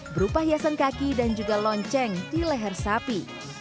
berupa hiasan kaki dan juga lonceng di leher sapi